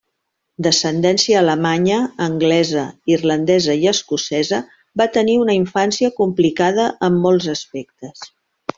D'ascendència alemanya, anglesa, irlandesa i escocesa, va tenir una infància complicada en molts aspectes.